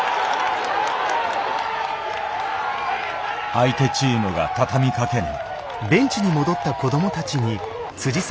相手チームが畳みかける。